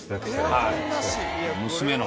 はい。